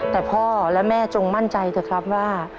แต่พ่อและแม่จงมั่นใจเถอะครับว่า